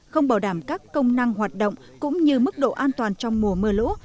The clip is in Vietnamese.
không bảo đảm các công năng hoạt động cũng như mức độ an toàn trong mùa mưa lũ